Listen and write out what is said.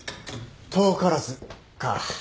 ・・「遠からず」か。